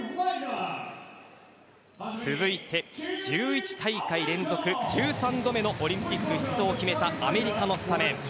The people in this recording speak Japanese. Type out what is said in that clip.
続いて、１１大会連続１３度目のオリンピック出場を決めたアメリカのスタメン。